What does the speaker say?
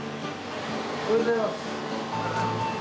おはようございます。